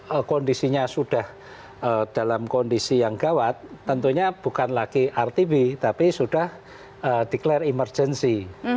kalau kondisinya sudah dalam kondisi yang gawat tentunya bukan lagi rtb tapi sudah declare emergency